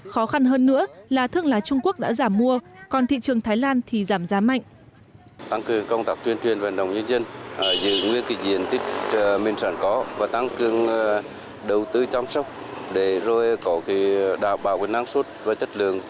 khó khăn hơn nữa là thương lái trung quốc đã giảm mua còn thị trường thái lan thì giảm giá mạnh